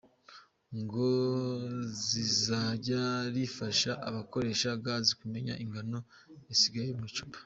Ngo rizajya rifasha abakoresha Gas kumenya ingano y’isigaye mu gicupa.